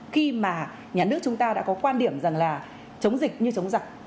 khi mà nhà nước chúng ta đã có quan điểm rằng là chống dịch như chống giặc